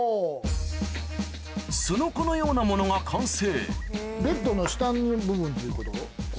すのこのようなものが完成